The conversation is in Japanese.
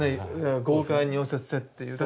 豪快に溶接してっていう。